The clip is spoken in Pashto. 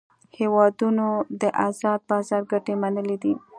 هیوادونو د آزاد بازار ګټې منلې دي